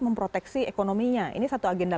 memproteksi ekonominya ini satu agenda